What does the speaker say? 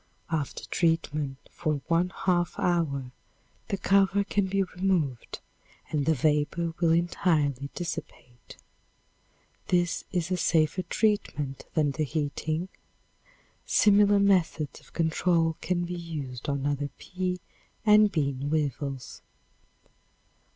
After treatment for one half hour, the cover can be removed and the vapor will entirely dissipate. This is a safer treatment than the heating. Similar methods of control can be used on other pea and bean weevils.